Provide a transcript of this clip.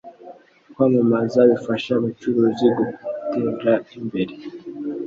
Kwamamaza bifasha abacuruzi gutetra imbere